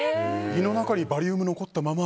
胃の中にバリウム残ったまま。